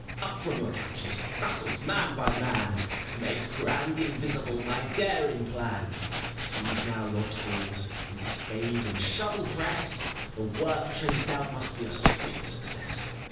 Up from your couches, vassals, man by man I Make grandly visible my daring plan ! Seize now your tools, with spade and shovel press ! The work traced out must be a swift success.